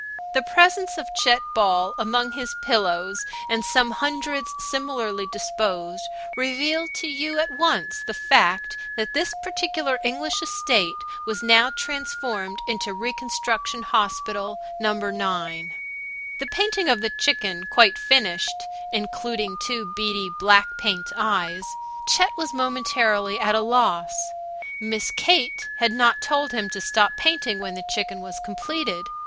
The presence of Chet Ball among his pillows and some hundreds similarly disposed revealed to you at once the fact that this particular English estate was now transformed into Reconstruction Hospital No. 9. The painting of the chicken quite finished (including two beady black paint eyes) Chet was momentarily at a loss. Miss Kate had not told him to stop painting when the chicken was completed.